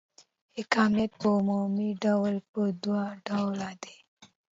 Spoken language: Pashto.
حاکمیت په عمومي ډول په دوه ډوله دی.